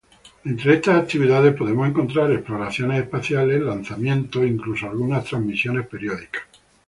Entre estas actividades, podemos encontrar exploraciones espaciales lanzamientos e incluso algunas transmisiones periódicas.